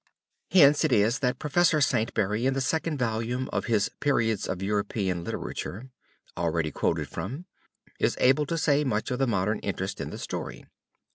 Hence it is that Prof. Saintsbury in the second volume of his Periods of European Literature, already quoted from, is able to say much of the modern interest in the story.